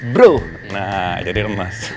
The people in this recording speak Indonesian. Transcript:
bro nah jadi lemas